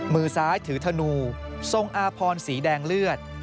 มือซ้ายถือธนูทรงอาพรสีแดงเลือด